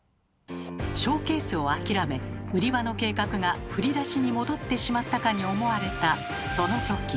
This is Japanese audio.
ショーケースを諦め売り場の計画が振り出しに戻ってしまったかに思われたそのとき。